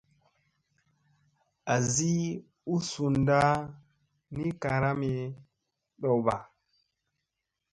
Azi u sunda ni karami ,ɗowba.